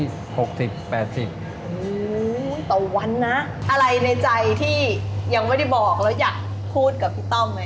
โอ้โหต่อวันนะอะไรในใจที่ยังไม่ได้บอกแล้วอยากพูดกับพี่ต้อมไหม